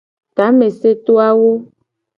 Tameseto awo.